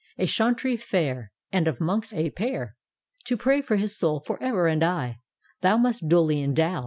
— A chauntry fair. And of Monks a pair. To pray for hb soul for ever and aye, Thou must duly endow.